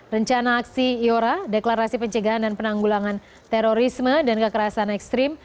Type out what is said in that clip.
rencana aksi iora deklarasi pencegahan dan penanggulangan terorisme dan kekerasan ekstrim